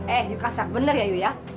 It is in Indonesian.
eh yuka sakti bener ya yu ya